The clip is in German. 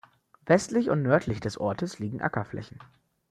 Westlich und nördlich des Ortes liegen Ackerflächen.